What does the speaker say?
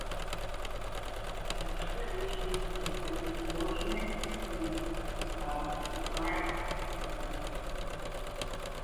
Another issue is the disproportionate use of pretrial detention.